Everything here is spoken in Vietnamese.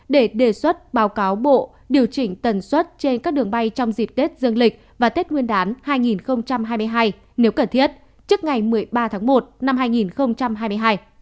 để đề xuất báo cáo bộ điều chỉnh tần suất trên các đường bay trong dịp tết dương lịch và tết nguyên đán hai nghìn hai mươi hai nếu cần thiết trước ngày một mươi ba tháng một năm hai nghìn hai mươi hai